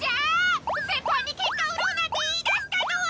先輩にケンカ売ろうなんて言いだしたのは！